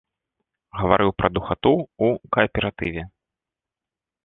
Гаварыў пра духату ў кааператыве.